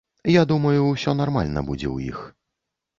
Я думаю, усё нармальна будзе ў іх.